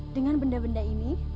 dengan benda benda ini